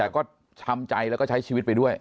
แต่ก็ช้ำใจแล้วก็ใช้ชีวิตไปด้วย